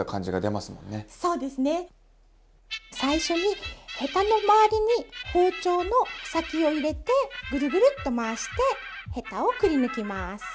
最初にヘタの周りに包丁の先を入れてぐるぐるっと回してヘタをくりぬきます。